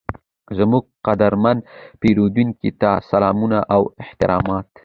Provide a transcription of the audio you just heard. زموږ قدرمن پیرودونکي ته سلامونه او احترامات،